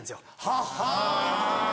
はっはぁ。